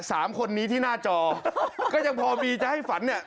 สามคนนี้ที่หน้าจอก็ยังพอมีจะให้ฝันเนี่ย